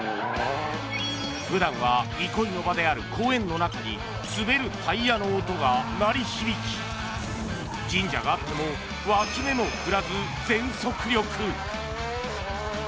普段は憩いの場である公園の中に滑るタイヤの音が鳴り響き神社があっても脇目も振らず全速力。